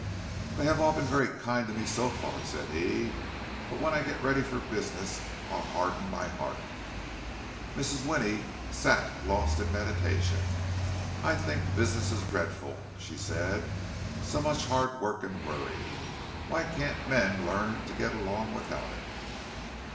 "They have all been very kind to me so far," said he. "But when I get ready for business, I'll harden my heart." Mrs. Winnie sat lost in meditation. "I think business is dreadful," she said. "So much hard work and worry! Why can't men learn to get along without it?"